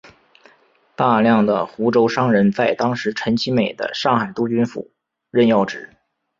大量的湖州商人在当时陈其美的上海督军府任要职。